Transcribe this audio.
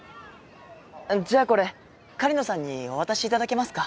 じゃあこれ狩野さんにお渡し頂けますか？